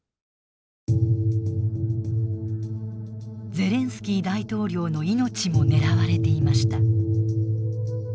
ゼレンスキー大統領の命も狙われていました。